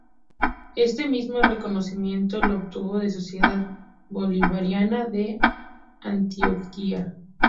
Este mismo reconocimiento lo obtuvo de la Sociedad Bolivariana de Antioquia.